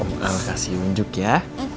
om al kasih unjuk ya